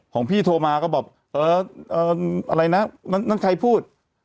ของพี่โทรมาก็บอกเอออะไรนะนั่นใครพูด